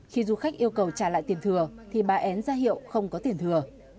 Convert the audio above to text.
khi du khách yêu cầu trả lại tiền thừa thì bà en ra hiệu không có tiền thừa